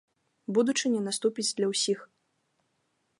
Будучыня наступіць для ўсіх.